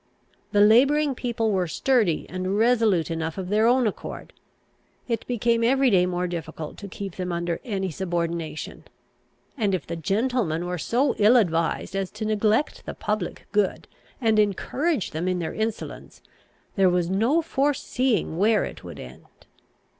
The labouring people were sturdy and resolute enough of their own accord; it became every day more difficult to keep them under any subordination; and, if the gentlemen were so ill advised as to neglect the public good, and encourage them in their insolence, there was no foreseeing where it would end.